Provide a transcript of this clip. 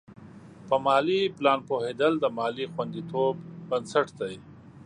په مالي پلان پوهېدل د مالي خوندیتوب بنسټ دی.